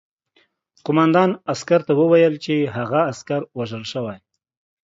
قوماندان عسکر ته وویل چې هغه عسکر وژل شوی